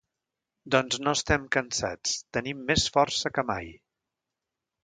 Doncs no estem cansats; tenim més força que mai.